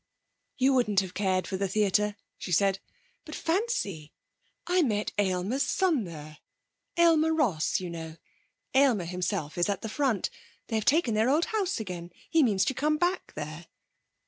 'You wouldn't have cared for the theatre,' she said. 'But, fancy, I met Aylmer's son there Aylmer Ross, you know. Aylmer himself is at the front. They have taken their old house again. He means to come back there.'